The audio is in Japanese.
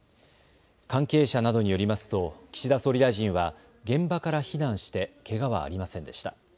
関係者などによりますと岸田総理大臣は現場から避難してけがはありませんでした。